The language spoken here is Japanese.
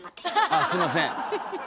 あすいません。